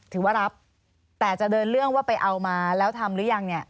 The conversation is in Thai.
แต่จะเดินเรื่องว่าไปเอามาแล้วทำหรือยัง